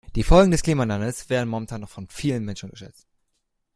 Die Folgen des Klimawandels werden momentan noch von vielen Menschen unterschätzt.